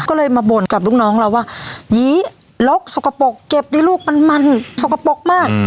ก็เลยมาบ่นกับลูกน้องเราว่ายีลกสกปรกเก็บดิลูกมันมันสกปรกมาก